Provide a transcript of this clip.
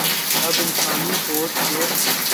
اب انسانی سوچ کے